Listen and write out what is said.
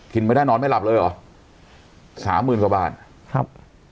ไม่ได้นอนไม่หลับเลยเหรอสามหมื่นกว่าบาทครับ